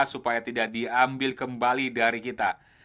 supaya tidak diambil kembali dari kita